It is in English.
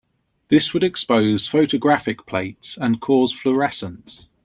This would expose photographic plates and cause fluorescence.